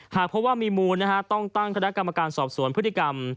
หากพบว่ามีมูลต้องตั้งคณะกรรมการสอบสวนพฤติกรรม